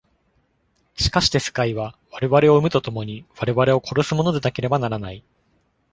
しかして世界は我々を生むと共に我々を殺すものでなければならない。